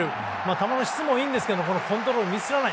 球の質もいいんですがコントロールをミスらない。